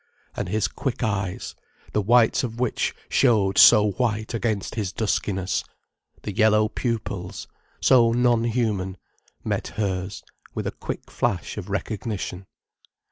And his quick eyes, the whites of which showed so white against his duskiness, the yellow pupils so non human, met hers with a quick flash of recognition.